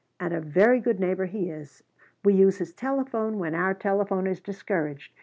And a very good neighbor he is. We use his telephone when our telephone is discouraged.